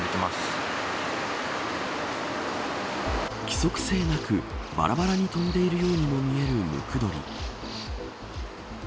規則性なくバラバラに飛んでいるようにも見えるムクドリ。